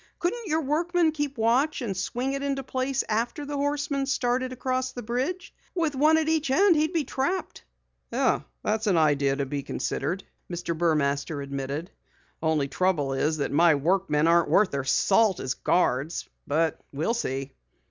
"Couldn't your workmen keep watch and swing it into place after the Horseman started across the bridge? With one at each end he'd be trapped." "It's an idea to be considered," Mr. Burmaster admitted. "The only trouble is that my workmen aren't worth their salt as guards. But we'll see."